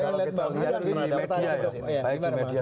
kalau kita lihat di media ya baik di media